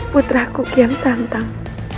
putraku putraku kian santang